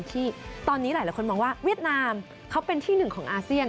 ที่ตอนนี้หลายคนมองว่าเวียดนามเขาเป็นที่หนึ่งของอาเซียน